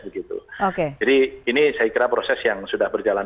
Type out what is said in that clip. jadi ini saya kira proses yang sudah berjalan